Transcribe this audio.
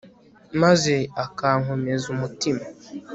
maze akankomeza umutima